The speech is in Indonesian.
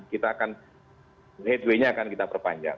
kita akan headway nya akan kita perpanjang